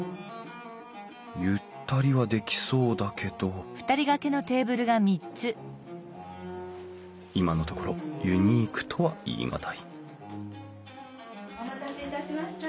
ゆったりはできそうだけど今のところユニークとは言い難いお待たせいたしました。